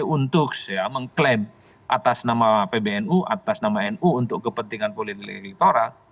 untuk mengklaim atas nama pbnu atas nama nu untuk kepentingan politik elektoral